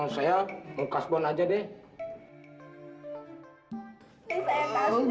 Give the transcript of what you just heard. saya mengkasbon aja deh